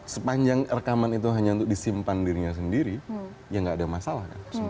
sepanjang rekaman itu hanya untuk disimpan dirinya sendiri ya nggak ada masalah kan